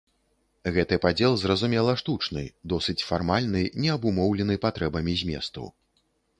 Гэты падзел, зразумела, штучны, досыць фармальны, не абумоўлены патрэбамі зместу.